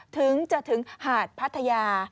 ถึงจะถึงหาดพัทยา